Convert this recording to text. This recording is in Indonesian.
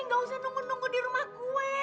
gak usah nunggu nunggu di rumah gue